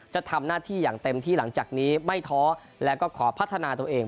จะทำหน้าที่อย่างเต็มที่หลังจากนี้ไม่ท้อแล้วก็ขอพัฒนาตัวเอง